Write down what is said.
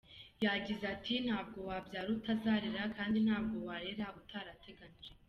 Yagize ati “Ntabwo wabyara utazarera, kandi ntabwo warera utarateganyije.